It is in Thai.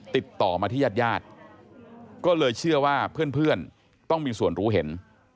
ติดต่อมาที่ญาติญาติก็เลยเชื่อว่าเพื่อนต้องมีส่วนรู้เห็น